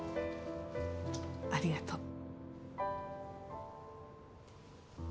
ありがとう。